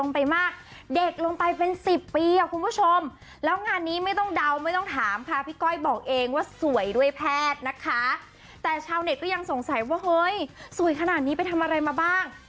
พูดสนวงใส่ว่าเฮ้ยสวยขนาดนี้ไปทำอะไรมาบ้าง